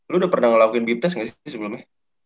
lu udah pernah ngelakuin bip test gak sih sebelumnya